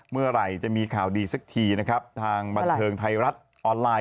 เมื่อไหร่จะมีข่าวดีสักทีนะครับทางบันเทิงไทยรัฐออนไลน์